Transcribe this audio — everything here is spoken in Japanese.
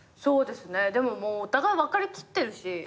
でももうお互い分かりきってるし。